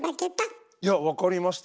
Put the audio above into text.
いや分かりました。